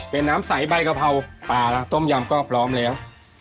เป็นน้ำใสใบกะเพราปลาต้มยำก็พร้อมแล้ว